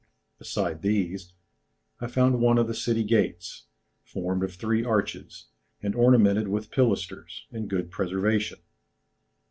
Beside these, I found one of the city gates, formed of three arches, and ornamented with pilasters, in good preservation.